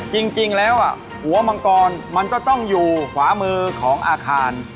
จริงแล้วหัวมังกรมันก็ต้องอยู่ขวามือของอาคาร